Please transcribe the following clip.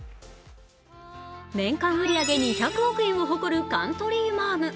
年間売り上げ２００億円を誇るカントリーマアム。